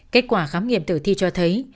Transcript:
kết quả khám nghiệm tử thi cho thấy